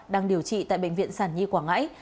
đang điều trị tại bệnh viện sản nhi quảng ngãi